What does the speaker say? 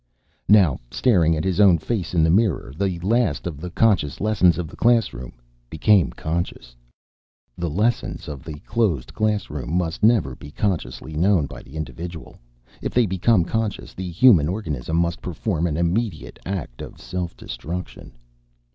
Now, staring at his own face in the mirror, the last of the conscious lessons of the classroom became conscious: _The lessons of the closed classroom must never be consciously known by the individual. If they become conscious the human organism must perform an immediate act of self destruction.